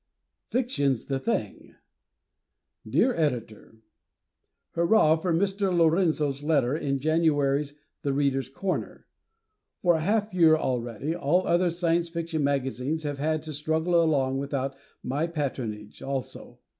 Fiction's the Thing! Dear Editor: Hurrah for Mr. Lorenzo's letter in January's "The Readers' Corner"! For a half year already, all other Science Fiction magazines have had to struggle along without my patronage, also.